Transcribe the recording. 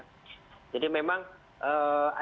pembersih udara ruangan ya